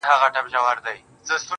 شعار خو نه لرم له باده سره شپې نه كوم,